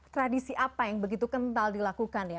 tradisi apa yang begitu kental dilakukan ya